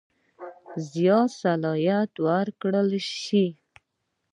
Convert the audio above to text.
زیات صلاحیت ورکړه شي.